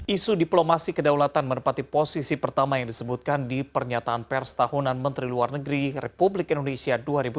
isu diplomasi kedaulatan menempati posisi pertama yang disebutkan di pernyataan pers tahunan menteri luar negeri republik indonesia dua ribu dua puluh